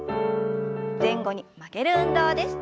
前後に曲げる運動です。